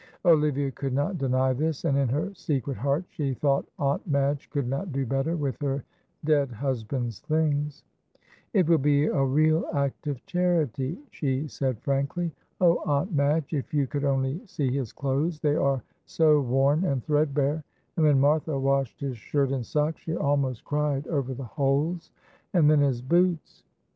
Olivia could not deny this, and in her secret heart she thought Aunt Madge could not do better with her dead husband's things. "It will be a real act of charity," she said, frankly. "Oh, Aunt Madge, if you could only see his clothes, they are so worn and threadbare, and when Martha washed his shirt and socks she almost cried over the holes; and then his boots!"